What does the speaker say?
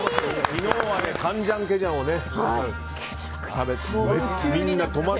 昨日はカンジャンケジャンをね。